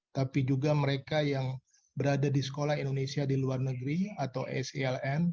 tapi juga mereka yang berada di sekolah indonesia di luar negeri atau seln